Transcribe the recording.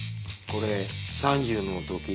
これ３０の時。